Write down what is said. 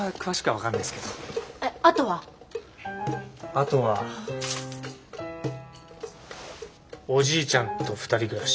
あとはおじいちゃんと２人暮らし。